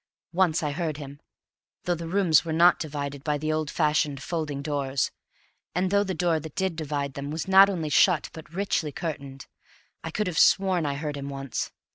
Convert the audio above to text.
Once I heard him though the rooms were not divided by the old fashioned folding doors, and though the door that did divide them was not only shut but richly curtained, I could have sworn I heard him once.